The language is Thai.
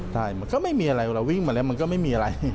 ใช่มันก็ไม่มีอะไรเวลาวิ่งมาแล้วมันก็ไม่มีอะไร